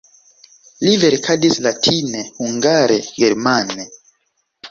Li verkadis latine, hungare, germane.